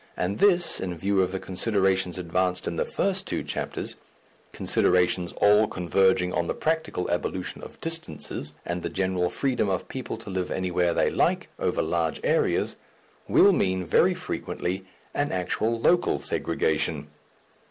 And this in view of the considerations advanced in the first two chapters, considerations all converging on the practical abolition of distances and the general freedom of people to live anywhere they like over large areas will mean very frequently an actual local segregation.